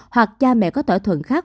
hoặc cha mẹ có thỏa thuận khác